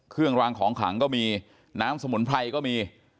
เครื่องรางของขลังก็มีน้ำสมุนไพรก็มี